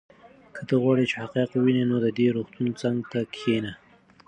که ته غواړې چې حقایق ووینې نو د دې روغتون څنګ ته کښېنه.